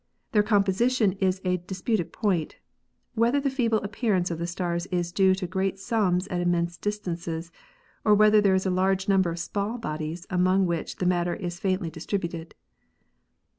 Their composi tion is a disputed point — whether the feeble appearance of the stars is due to great suns at immense distances or whether there is a large number of small bodies among which matter is fainty distributed.